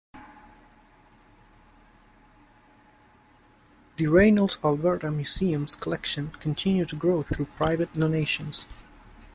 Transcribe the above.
The Reynolds-Alberta Museum's collections continue to grow through private donations.